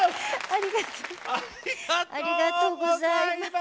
ありがとうございます。